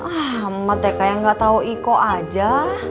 ah amat ya kayak nggak tau iko aja